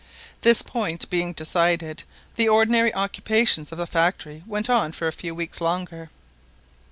This point being decided, the ordinary occupations of the factory went on for a few weeks longer.